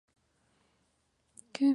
Su individualismo acabó con sus relaciones.